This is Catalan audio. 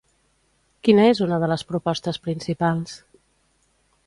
Quina és una de les propostes principals?